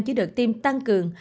chỉ được tiêm tăng cường